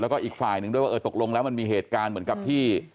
แล้วก็อีกฝ่ายหนึ่งด้วยว่าเออตกลงแล้วมันมีเหตุการณ์เหมือนกับที่